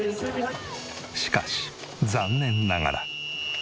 しかし残念ながら。